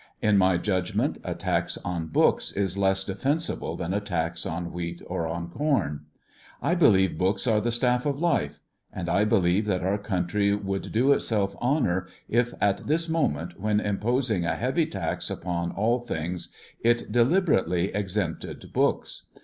In my judg ment, a tax on books is less defensible than a tax on wheat or on com. I believe books are the staff of life ; and I believe that our country would do itself honor, if at this moment, when imposing a heavy tax upon all things, it deliberately exempted books.